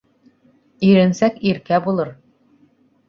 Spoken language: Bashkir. Иренсәк иркә булыр.